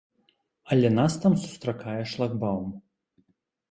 Але нас там сустракае шлагбаум.